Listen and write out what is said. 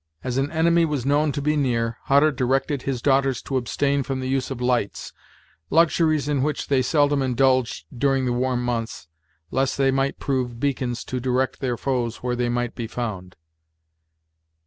As an enemy was known to be near, Hutter directed his daughters to abstain from the use of lights, luxuries in which they seldom indulged during the warm months, lest they might prove beacons to direct their foes where they might be found.